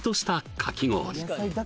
かき氷